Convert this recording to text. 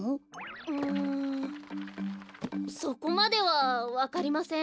うんそこまではわかりません。